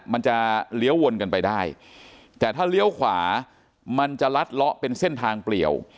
มันจะเลี้ยววนกันไปได้แต่ถ้าเลี้ยวขวามันจะลัดเลาะเป็นเส้นทางเปลี่ยว